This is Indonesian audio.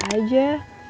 sebetulnya sih biasa aja